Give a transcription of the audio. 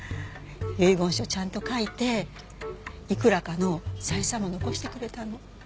遺言書ちゃんと書いていくらかの財産も残してくれたの。